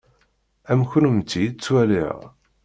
Am kennemti i ttwaliɣ.